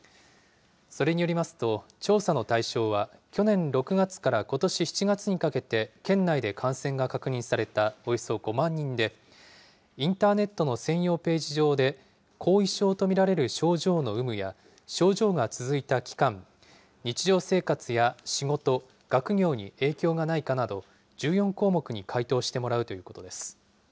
それによりますと、調査の対象は去年６月からことし７月にかけて、県内で感染が確認されたおよそ５万人で、インターネットの専用ページ上で、後遺症と見られる症状の有無や、症状が続いた期間、日常生活や仕事、学業に影響がないかなど、１４項目に回答してもらうということです。